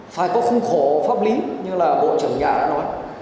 phải có khung khổ pháp lý như là bộ trưởng nhà đã nói